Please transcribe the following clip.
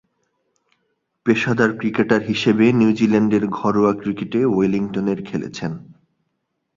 পেশাদার ক্রিকেটার হিসেবে নিউজিল্যান্ডের ঘরোয়া ক্রিকেটে ওয়েলিংটনের খেলেছেন।